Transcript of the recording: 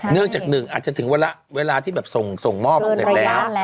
เนื่องจากหนึ่งอาจจะถึงเวลาที่แบบส่งมอบเสร็จแล้ว